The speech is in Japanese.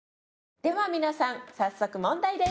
では皆さん早速問題です。